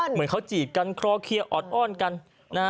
เหมือนเขาจีดกันคลอเคียออดอ้อนกัน